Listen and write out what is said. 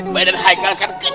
badan haikal kan kecil